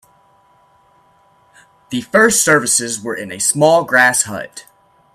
The first services were in a small grass hut.